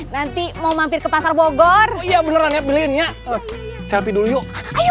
nanti mau mampir ke pasar bogor iya benerannya belinya selfie dulu yuk